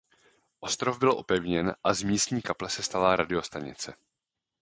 Ostrov byl opevněn a z místní kaple se stala radiostanice.